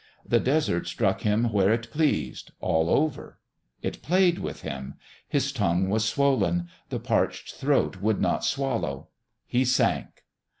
The Desert struck him where it pleased all over. It played with him. His tongue was swollen; the parched throat could not swallow. He sank....